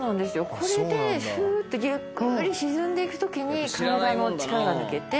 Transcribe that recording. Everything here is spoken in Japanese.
これでスっとゆっくり沈んで行く時に体の力が抜けて。